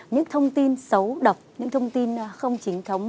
những thông tin xấu độc những thông tin không chính thống